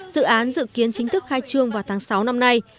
dự án dự kiến chính thức khai trương vào tháng sáu năm nay